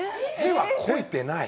屁は、こいてない。